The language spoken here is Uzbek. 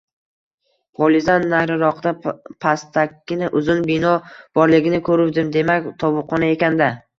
Polizdan nariroqda pastakkina uzun bino borligini ko‘ruvdim, demak, tovuqxona ekan-da